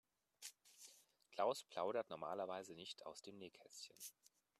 Klaus plaudert normalerweise nicht aus dem Nähkästchen.